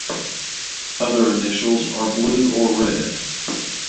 Other initials are blue or red.